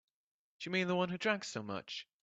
You mean the one who drank so much?